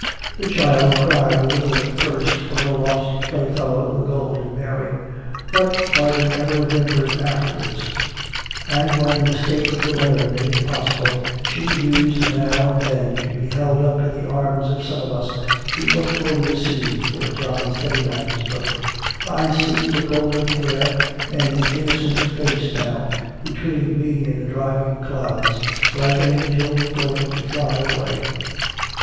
The child cried a little at first for her lost playfellow, the Golden Mary; but hardly ever whimpered afterwards; and when the state of the weather made it possible, she used now and then to be held up in the arms of some of us, to look over the sea for John Steadiman's boat. I see the golden hair and the innocent face now, between me and the driving clouds, like an angel going to fly away.